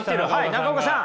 中岡さん。